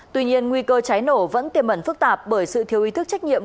tuy nhiên nguy cơ cháy nổ vẫn tiềm mẩn phức tạp bởi sự thiêu ý thức trách nhiệm